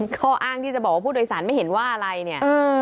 ข้ออ้างที่จะบอกว่าผู้โดยสารไม่เห็นว่าอะไรเนี่ย